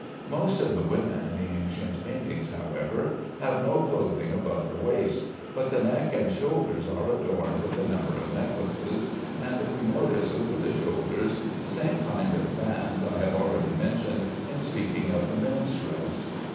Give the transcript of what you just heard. Most of the women in the ancient paintings, however, have no clothing above the waist; but the neck and shoulders are adorned with a number of necklaces, and we notice over the shoulders the same kind of bands I have already mentioned in speaking of the men's dress.